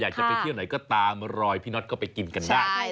อยากจะไปเที่ยวไหนก็ตามรอยพี่น็อตก็ไปกินกันได้